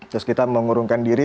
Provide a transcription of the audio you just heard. terus kita mengurungkan diri